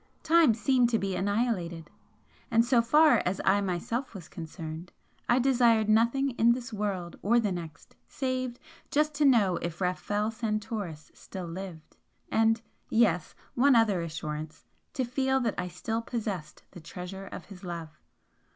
Time seemed to be annihilated. And so far as I myself was concerned I desired nothing in this world or the next save just to know if Rafel Santoris still lived and yes! one other assurance to feel that I still possessed the treasure of his love.